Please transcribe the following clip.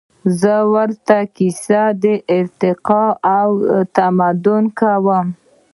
زهٔ ورته کیسې د ارتقا او تمدن کوم